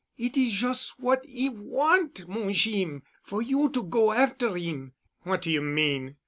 "It is jus' what 'e want', mon Jeem, for you to go after him." "What do you mean?"